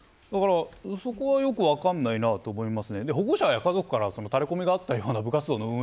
そこはよく分からないと思います。